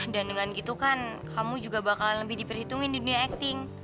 dan dengan gitu kan kamu juga bakalan lebih diperhitungin di dunia akting